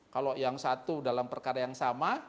kalau yang satu dalam perkara yang sama